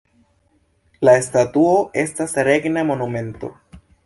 La statuo estas regna monumento.